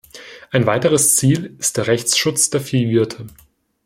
Ein weiteres Ziel ist der Rechtsschutz der Viehwirte.